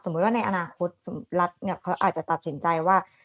สมมุติว่าในอนาคตซิมรัฐจะตัดสินใจว่า